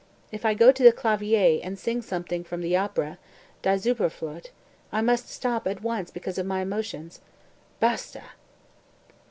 If I go to the Clavier and sing something from the opera (Die Zauberflote) I must stop at once because of my emotions. Basta!"